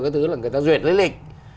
cái thứ là người ta duyệt lý lịch